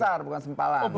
harus besar bukan sempalan